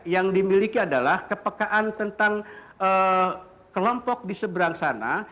yang dimiliki adalah kepekaan tentang kelompok di seberang sana